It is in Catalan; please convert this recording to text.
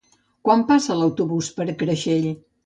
Quan passa l'autobús per Creixell?